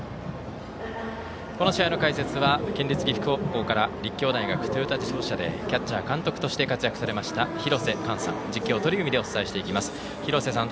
この試合の解説は県立岐阜高校から立教大学トヨタ自動車でキャッチャー監督として活躍されました廣瀬寛さん。